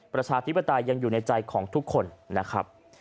ประชาธิปไตยยังอยู่ในใจของทุกคนนะครับ